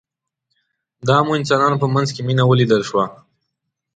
د عامو افغانانو په منځ کې مينه ولیدل شوه.